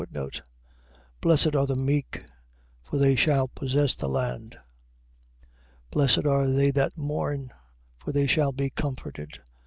Blessed are the meek: for they shall possess the land. 5:5. Blessed are they that mourn: for they shall be comforted.